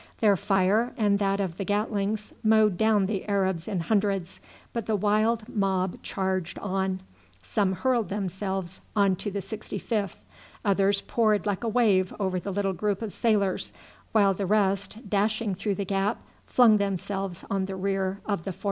Their fire and that of the Gatlings mowed down the Arabs in hundreds, but the wild mob charged on. Some hurled themselves on to the 65th, others poured like a wave over the little group of sailors, while the rest, dashing through the gap, flung themselves on the rear of the 42d.